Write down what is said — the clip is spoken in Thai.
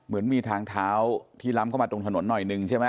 เหมือนมีทางเท้าที่ล้ำเข้ามาตรงถนนหน่อยหนึ่งใช่ไหม